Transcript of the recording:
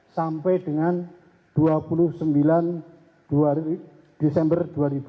sampai dengan dua puluh sembilan desember dua ribu dua puluh